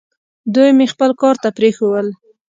دوی مې خپل کار ته پرېښوول.